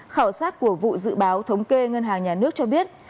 khảo sát của vụ dự báo thống kê ngân hàng nhà nước cho biết